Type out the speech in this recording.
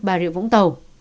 và rượu vũng tàu